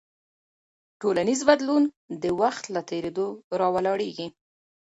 ټولنیز بدلون د وخت له تېرېدو راولاړېږي.